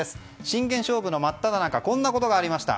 真剣勝負の真っただ中こんなことがありました。